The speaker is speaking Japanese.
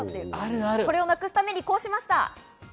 これをなくすために、こうしました。